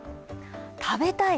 食べたい。